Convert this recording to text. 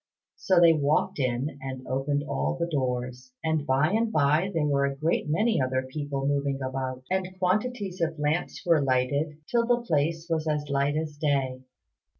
So they walked in and opened all the doors; and by and by there were a great many other people moving about, and quantities of lamps were lighted, till the place was as light as day.